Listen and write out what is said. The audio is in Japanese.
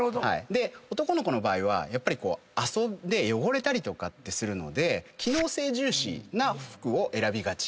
男の子の場合は遊んで汚れたりとかするので機能性重視な服を選びがち。